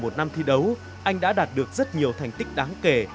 qua một mươi một năm thi đấu anh đã đạt được rất nhiều thành tích đáng kể